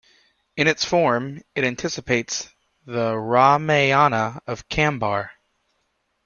In its form, it anticipates the Ramayana of Kambar.